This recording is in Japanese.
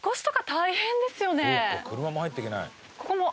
そっか車も入っていけない。